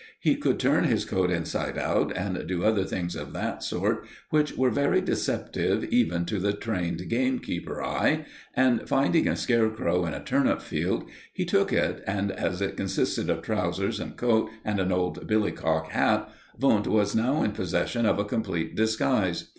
He could turn his coat inside out, and do other things of that sort, which were very deceptive even to the trained gamekeeper eye; and, finding a scarecrow in a turnip field, he took it, and as it consisted of trousers and coat and an old billycock hat, Wundt was now in possession of a complete disguise.